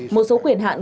một số quyền hạn